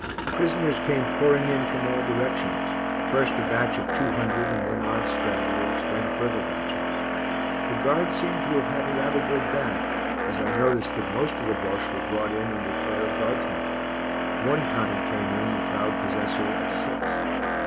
Prisoners came pouring in from all directions, first a batch of two hundred and then odd stragglers, then further batches. The Guards seemed to have had a rather good bag, as I noticed that most of the Bosches were brought in under care of guardsmen. One Tommy came in the proud possessor of six.